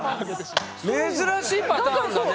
珍しいパターンだね。